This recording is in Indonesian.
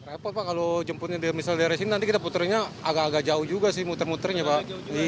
repot pak kalau jemputnya misalnya dari sini nanti kita puterinnya agak agak jauh juga sih muter muternya pak